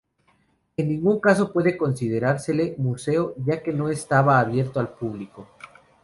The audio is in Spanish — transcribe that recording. En ningún caso puede considerársele museo, ya que no estaba abierto al público.